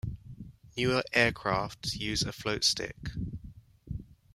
Newer aircraft use a floatstick.